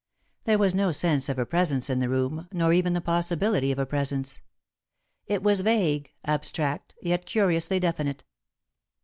There was no sense of a presence in the room, nor even the possibility of a presence. It was vague, abstract, yet curiously definite.